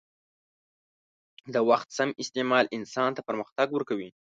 د وخت سم استعمال انسان ته پرمختګ ورکوي.